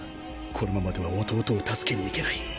このままでは弟を助けに行けない。